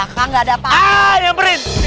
belakang gak ada apa apa